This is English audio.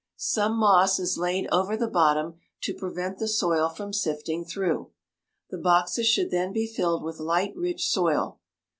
Some moss is laid over the bottom to prevent the soil from sifting through. The boxes should then be filled with light, rich soil.